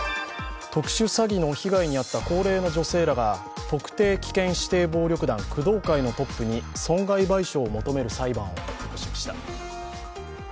特殊詐欺の被害に遭った高齢の女性らが特定危険指定暴力団工藤会のトップに損害賠償を求める裁判を起こしました。